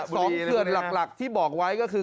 เขื่อนหลักที่บอกไว้ก็คือ